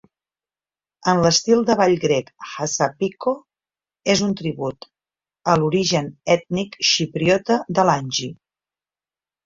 En l"estil de ball grec "hassapiko" és un tribut a l"origen ètnic xipriota de l"Angie.